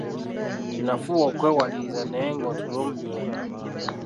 Nafuba okwewaliriza naye nga otulo mmye!